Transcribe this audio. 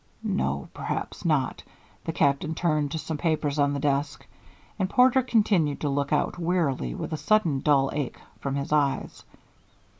"No, perhaps not." The Captain turned to some papers on the desk, and Porter continued to look out, wearily, with a sudden dull ache above his eyes.